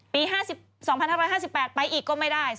๒๕๕๘ไปอีกก็ไม่ได้